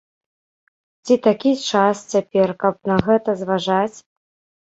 Ці такі час цяпер, каб на гэта зважаць?